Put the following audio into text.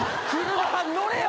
車は乗れよ！